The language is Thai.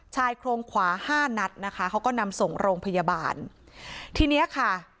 ชายโครงขวาห้านัดนะคะเขาก็นำส่งโรงพยาบาลทีเนี้ยค่ะ